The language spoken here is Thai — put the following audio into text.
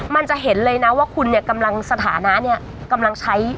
มันจะเห็นเลยนะว่าคุณเนี่ยกำลังสถานะเนี่ยกำลังใช้